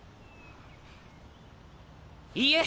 いいえ！